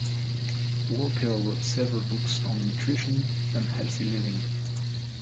Walker wrote several books on nutrition and healthy living.